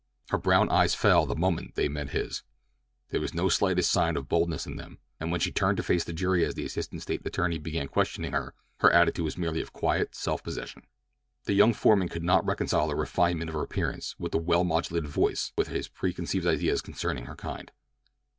Her brown eyes fell the moment that they met his—there was no slightest sign of boldness in them, and when she turned to face the jury as the assistant State attorney began questioning her her attitude was merely of quiet self possession. The young foreman could not reconcile the refinement of her appearance and the well modulated voice with his preconceived ideas concerning her kind.